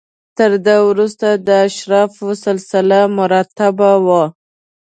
تر ده وروسته د اشرافو سلسله مراتب و.